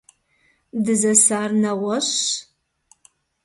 Дызэсар нэгъуэщӀщ.